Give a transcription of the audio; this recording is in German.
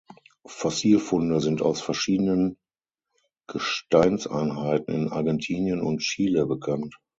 Fossilfunde sind aus verschiedenen Gesteinseinheiten in Argentinien und Chile bekannt.